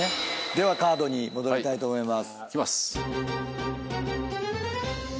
ではカードに戻りたいと思います。